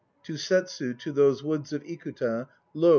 ] To Settsu, to those woods of Ikuta Lo!